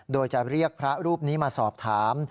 โดยจะเรียกพระรูปนี้มาสอบถาม